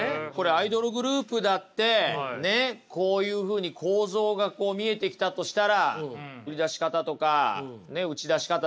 アイドルグループだってねっこういうふうに構造が見えてきたとしたら売り出し方とか打ち出し方ですか